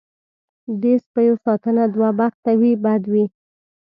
دې سپیو ساتنه دوه بخته وي بد وي.